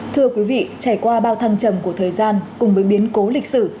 thưa quý vị trải qua bao thăng trầm của thời gian cùng với biến cố lịch sử